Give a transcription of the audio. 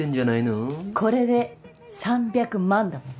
これで３００万だもんね。